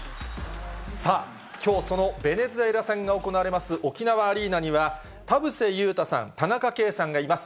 さあ、きょう、そのベネズエラ戦が行われます沖縄アリーナには、田臥勇太さん、田中圭さんがいます。